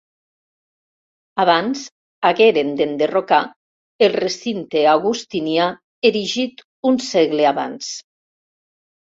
Abans, hagueren d'enderrocar el recinte augustinià erigit un segle abans.